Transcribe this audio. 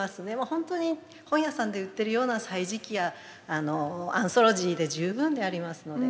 本当に本屋さんで売ってるような「歳時記」やアンソロジーで十分でありますので。